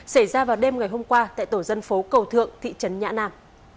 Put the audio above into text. xảy ra vào đêm ngày hôm qua tại tổ dân phố cầu thượng thị trấn nhã nam